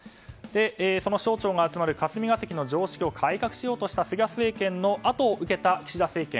その省庁が集まる霞が関の常識を改革しようとした菅政権のあとを受けた岸田政権。